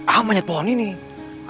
a'ah menyedponi nih